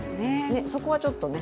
そこはちょっとね。